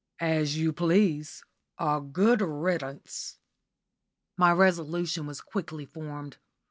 "As you please a good riddance." My resolution was quickly formed.